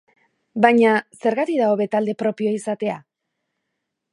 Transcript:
Baina, zergatik da hobe talde propioa izatea?